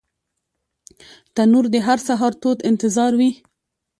تنور د هر سهار تود انتظار وي